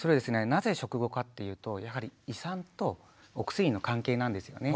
なぜ食後かっていうとやはり胃酸とお薬の関係なんですよね。